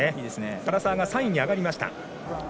唐澤が今３位に上がりましたね。